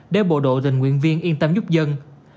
để bộ đội tình nguyện viên yên tâm giúp dân